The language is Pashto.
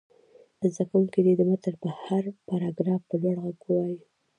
زده کوونکي دې د متن هر پراګراف په لوړ غږ ووايي.